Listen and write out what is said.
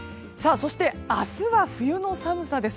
そして、明日は冬の寒さです。